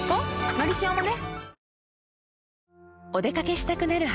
「のりしお」もね